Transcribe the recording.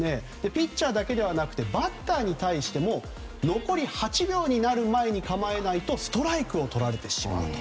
ピッチャーだけではなくてバッターに対しても残り８秒になる前に構えないとストライクをとられてしまうと。